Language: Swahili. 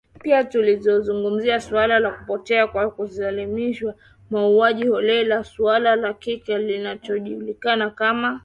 Pia tulizungumzia suala la kupotea kwa kulazimishwa, mauaji holela, suala la kile kinachojulikana kama nyumba salama.